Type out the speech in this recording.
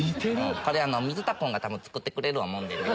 これ水田君が多分作ってくれる思うんで。